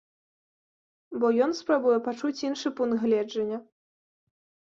Бо ён спрабуе пачуць іншы пункт гледжання.